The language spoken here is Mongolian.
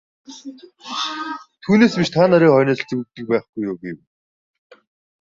Түүнээс биш та нарын хойноос зүүгдээд л байхгүй юу гэв.